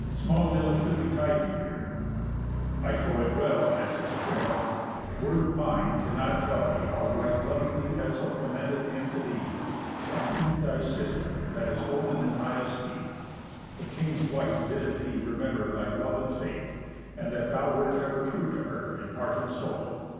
Small ill should betide you here." "I trow it well," answered Schwemmel. "Word of mine cannot tell thee how right lovingly Etzel commendeth him to thee, and eke thy sister, that is holden in high esteem. The king's wife biddeth thee remember thy love and faith, and that thou wert ever true to her in heart and soul.